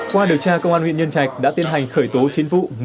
qua điều tra công an huyện nhân trạch đã tiến hành khởi tố chín vụ